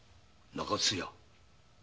中津屋を！？